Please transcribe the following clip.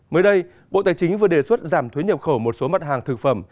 mới đây bộ tài chính vừa đề xuất giảm thuế nhập khẩu một số mặt hàng thực phẩm